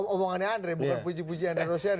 omongannya andre bukan puji puji andre rosia